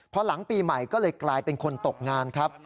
พอหลังปีใหม่ก็เลยกลายเป็นคนตกงานครับ